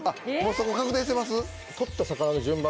そこ確定してます？